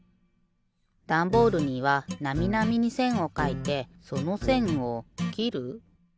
ダンボールにはなみなみにせんをかいてそのせんをきる。